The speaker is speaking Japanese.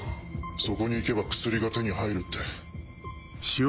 そこに行けば薬が手に入るって。